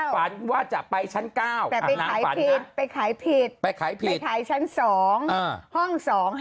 ฝันว่าจะไปชั้น๙แต่ไปขายผิดไปขายผิดไปขายผิดไปขายชั้น๒ห้อง๒๕๖